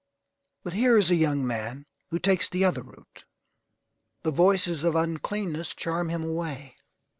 But here is a young man who takes the other route. The voices of uncleanness charm him away.